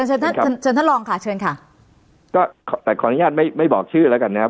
เชิญท่านลองค่ะเชิญค่ะแต่ขออนุญาตไม่บอกชื่อแล้วกันนะครับ